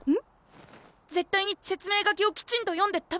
絶対に説明書きをきちんと読んで食べてください。